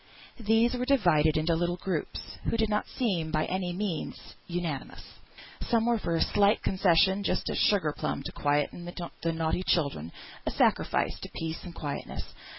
These were divided into little groups, who did not seem unanimous by any means. Some were for a slight concession, just a sugar plum to quieten the naughty child, a sacrifice to peace and quietness.